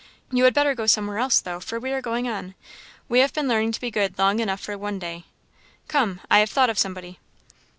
You had better go somewhere else, though, for we are going on; we have been learning to be good long enough for one day. Come! I have thought of somebody."